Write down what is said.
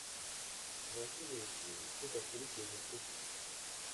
tuba tubeshye, tudakurikiza ukuri.